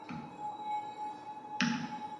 Bi minutu-edo egon gara elkarri ezer esan gabe.